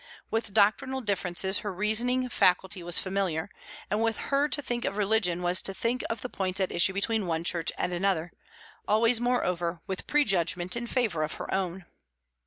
With doctrinal differences her reasoning faculty was familiar, and with her to think of religion was to think of the points at issue between one church and another always, moreover, with pre judgment in favour of her own.